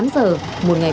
một mươi tám giờ một ngày